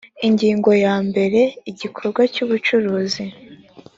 ingingo ya mbere igikorwa cy ubucuruzi